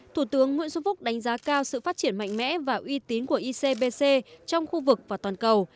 thủ tướng nguyễn xuân phúc đánh giá cao sự phát triển mạnh mẽ và uy tín của icbc trong khu vực và toàn cầu